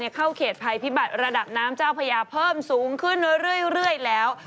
เข้าเขตภัยพิบัติระดับน้ำเจ้าพญาเพิ่มสูงขึ้นเรื่อยแล้ว